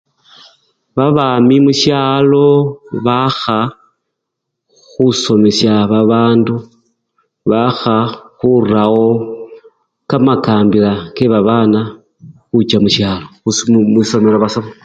Babami mushalo bakha khusomesha babandu, bakha khurawo kamakambila kebabana khucha mushalo khusu-khwisomelo basome.